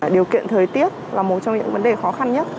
điều kiện thời tiết là một trong những vấn đề khó khăn nhất